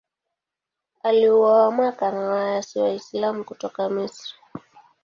Aliuawa Makka na waasi Waislamu kutoka Misri.